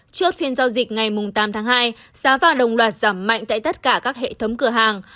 trước phiên giao dịch ngày tám tháng hai giá vàng đồng loạt giảm mạnh tại tất cả các hệ thống cửa hàng